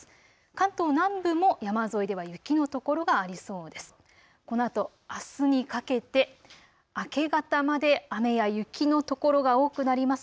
関東南部も山沿いでは雪の所がありそうです。